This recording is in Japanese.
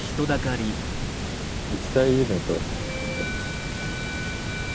一大イベントだ。